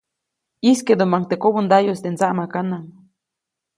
ʼYijskeʼdumaʼuŋ teʼ kobändayuʼis teʼ ndsaʼmakanaŋ.